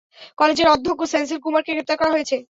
কলেজের অধ্যক্ষ সেন্থিল কুমারকে গ্রেফতার করা হয়েছে।